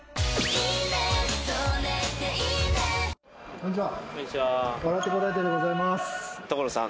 こんにちは。